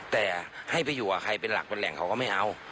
แต่ให้ไปอยู่กับใครเป็นหลักเป็นแหล่งเขาก็ไม่เอา